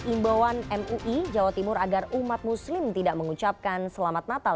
imbauan mui jawa timur agar umat muslim tidak mengucapkan selamat natal